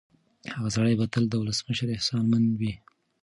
هغه سړی به تل د ولسمشر احسانمن وي.